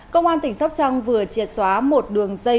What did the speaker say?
công an tỉnh sóc trăng vừa triệt xóa một đường dây